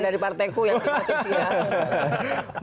bukan dari partai ku yang kita setia